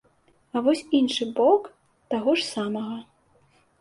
А вось іншы бок таго ж самага.